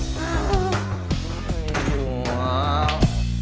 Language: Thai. ไม่อยู่แล้ว